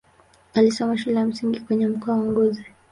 Alisoma shule ya msingi kwenye mkoa wa Ngozi.